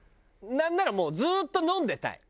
なんならもうずーっと飲んでたい。